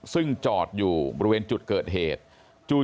ซึ่งจอดอยู่บริเวณจุดเกิดเหตุจู่